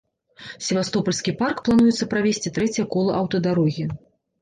Севастопальскі парк плануецца правесці трэцяе кола аўтадарогі.